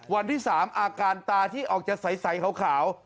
วันที่๓อาการตาที่ออกจะใสขาว